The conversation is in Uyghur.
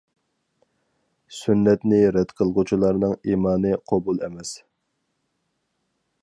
سۈننەتنى رەت قىلغۇچىلارنىڭ ئىمانى قوبۇل ئەمەس.